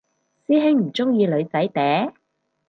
師兄唔鍾意女仔嗲？